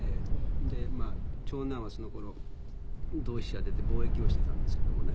で長男はその頃同志社を出て貿易をしてたんですけどもね。